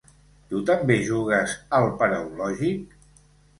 Tu també jugues al paraulògic?